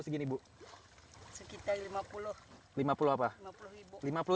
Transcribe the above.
sekitar lima puluh ribu